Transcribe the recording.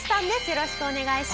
よろしくお願いします。